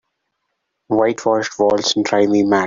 White washed walls drive me mad.